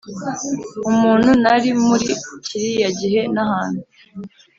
umuntu nari muri kiriya gihe nahantu,